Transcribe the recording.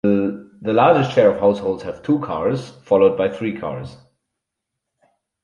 The largest share of households have two cars, followed by three cars.